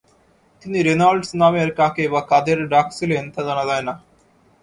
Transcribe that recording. তিনি রেনল্ডস নামের কাকে বা কাদের ডাকছিলেন তা জানা যায়না।